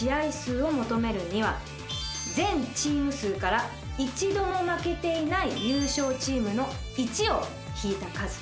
全チーム数から一度も負けていない優勝チームの１を引いた数。